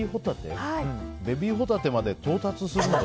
ベビーホタテまで到達するのが。